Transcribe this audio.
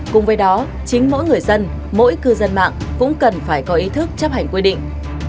cùng với đó chính mỗi người dân mỗi cư dân mạng cũng cần phải có ý thức chấp hành quy định